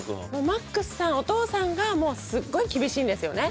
マックスさんお父さんがすっごい厳しいんですよね？